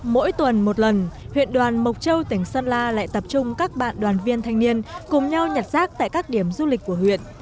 mỗi tuần một lần huyện đoàn mộc châu tỉnh sơn la lại tập trung các bạn đoàn viên thanh niên cùng nhau nhặt rác tại các điểm du lịch của huyện